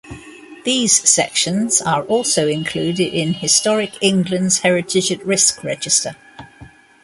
These sections are also included in Historic England's Heritage at Risk Register.